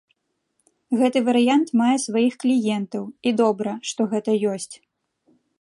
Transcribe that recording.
Гэты варыянт мае сваіх кліентаў, і добра, што гэта ёсць.